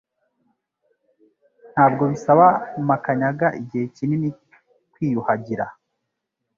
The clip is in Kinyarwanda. Ntabwo bisaba Makanyaga igihe kinini kwiyuhagira